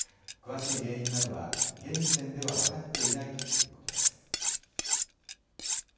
詳しい原因などは現時点では分かっていないということです。